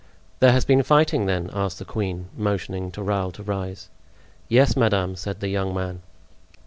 "There has been fighting, then?" asked the queen, motioning to Raoul to rise. "Yes, madame," said the young man.